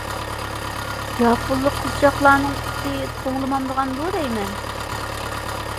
ياپونلۇق قىزچاقلارنىڭ پۇتى توڭلىمامدىغاندۇ دەيمەن.